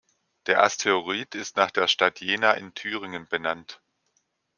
Der Asteroid ist nach der Stadt Jena in Thüringen benannt.